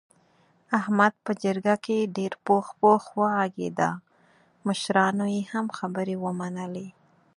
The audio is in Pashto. احمد په جرګه کې ډېر پوخ پوخ و غږېدا مشرانو یې هم خبرې ومنلې.